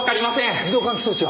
自動換気装置は？